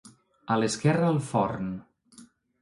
A l'esquerra el forn.